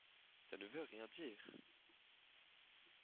Ça ne veut rien dire.